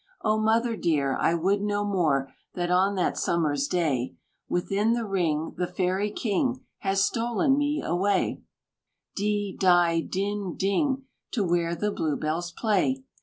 Oh, Mother dear! I would no more That on that summer's day, Within the ring, The Fairy King Had stolen me away D! DI! DIN! DING! To where the Blue bells play.